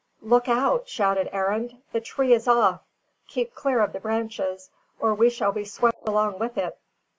"Look out!" shouted Arend; "the tree is off. Keep clear of the branches, or we shall be swept along with it."